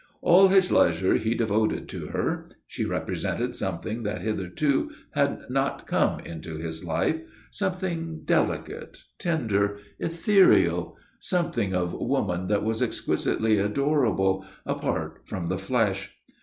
All his leisure he devoted to her. She represented something that hitherto had not come into his life something delicate, tender, ethereal, something of woman that was exquisitely adorable, apart from the flesh.